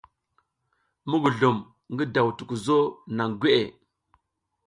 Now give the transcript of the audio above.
Mugulum ngi daw tukuzo naŋ gwe.